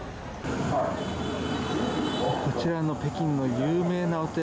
こちらの北京の有名なお寺